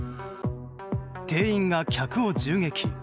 店員が客を銃撃。